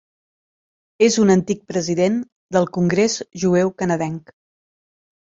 És un antic president del Congrés jueu canadenc.